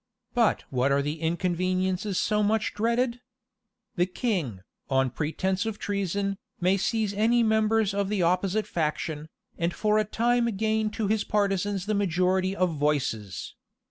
But what are the inconveniencies so much dreaded? The king, on pretence of treason, may seize any members of the opposite faction, and for a time gain to his partisans the majority of voices.